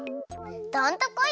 どんとこい！